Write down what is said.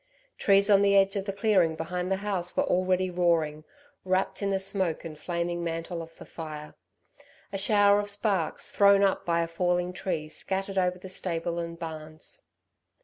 Trees on the edge of the clearing behind the house were already roaring, wrapped in the smoke and flaming mantle of the fire. A shower of sparks thrown up by a falling tree scattered over the stable and barns.